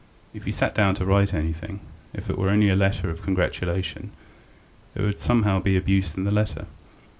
If he sat down to write anything, if it were only a letter of congratulation, there would somehow be abuse in the letter.